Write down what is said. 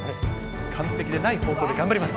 完璧でない方向で頑張ります。